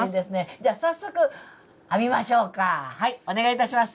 じゃ早速編みましょうかはいお願いいたします。